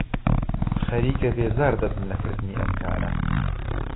خەریکە بێزار دەبم لە کردنی ئەم کارە.